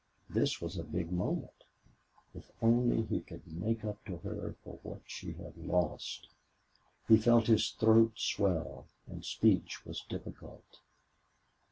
This was a big moment. If only he could make up to her for what she had lost! He felt his throat swell, and speech was difficult.